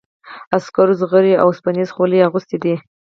عسکرو زغرې او اوسپنیزې خولۍ اغوستي دي.